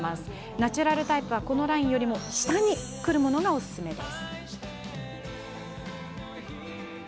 ナチュラルタイプはこのラインよりも下にくるものがおすすめです。